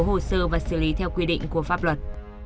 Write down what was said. hồ sơ và xử lý theo quy định của pháp luật